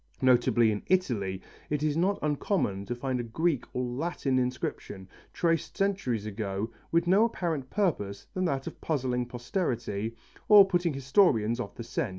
Notably in Italy it is not uncommon to find a Greek or Latin inscription, traced centuries ago, with no apparent purpose than that of puzzling posterity, or putting historians off the scent.